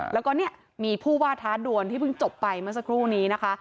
แล้วก็เนี่ยมีผู้ว่าท้าดวนที่เพิ่งจบไปเมื่อสักครู่นี้นะคะ